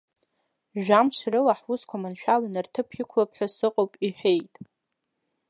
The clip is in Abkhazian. Жәамшк рыла ҳусқәа маншәаланы рҭыԥ иқәлап ҳәа сыҟоуп иҳәеит.